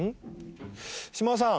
島田さん